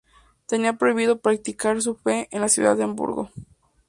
Tenían prohibido practicar su fe en la ciudad de Hamburgo.